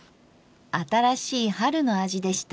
新しい春の味でした。